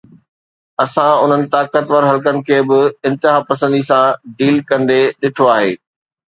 اسان انهن طاقتور حلقن کي به انتهاپسنديءَ سان ڊيل ڪندي ڏٺو آهي.